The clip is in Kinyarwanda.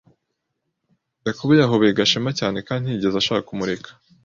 Yakobo yahobeye Gashema cyane kandi ntiyigeze ashaka kumureka.